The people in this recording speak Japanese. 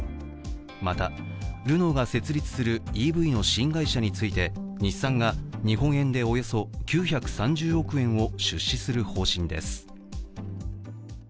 またルノーが設立するＥＶの新会社について日産が日本円でおよそ９３０億円を出資する方針です。